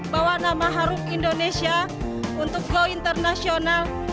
bawa nama harum indonesia untuk go international